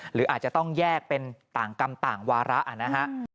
หรืออาจจะต้องแยกเป็นต่างกรรมต่างวาระนะฮะ